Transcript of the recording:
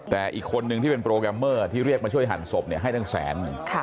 แต่อีกคนนึงที่เป็นโปรแกรมเมอร์ที่เรียกมาช่วยหั่นศพให้ตั้งแสนหนึ่ง